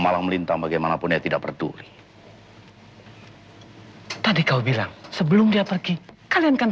malah melintang bagaimanapun ya tidak peduli tadi kau bilang sebelum dia pergi kalian kan